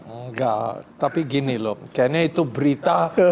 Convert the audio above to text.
enggak tapi gini loh kayaknya itu berita